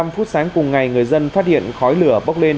một mươi năm phút sáng cùng ngày người dân phát hiện khói lửa bốc lên